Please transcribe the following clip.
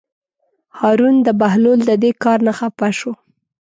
هارون د بهلول د دې کار نه خپه شو.